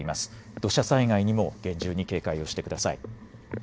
土砂災害にも厳重に警戒をしてください。